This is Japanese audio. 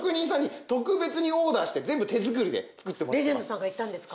レジェンドさんが行ったんですか？